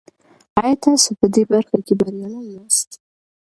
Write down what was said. آیا تاسو په دې برخه کې بریالي یاست؟